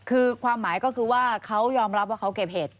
คือความหมายก็คือว่าเขายอมรับว่าเขาเก็บเห็ด